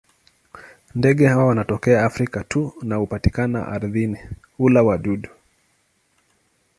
Ndege hawa wanatokea Afrika tu na hupatikana ardhini; hula wadudu.